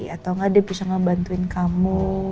atau nggak dia bisa ngebantuin kamu